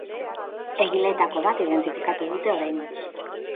Egileetako bat identifikatu dute oraingoz.